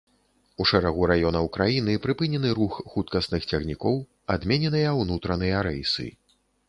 У шэрагу раёнаў краіны прыпынены рух хуткасных цягнікоў, адмененыя ўнутраныя рэйсы.